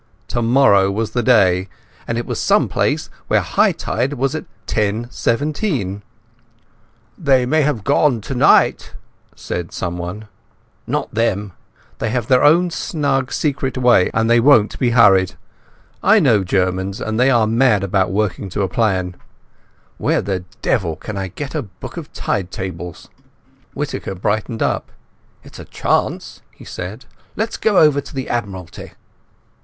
Tomorrow was the day, and it was some place where high tide was at 10.17." "They may have gone tonight," someone said. "Not they. They have their own snug secret way, and they won't be hurried. I know Germans, and they are mad about working to a plan. Where the devil can I get a book of Tide Tables?" Whittaker brightened up. "It's a chance," he said. "Let's go over to the Admiralty."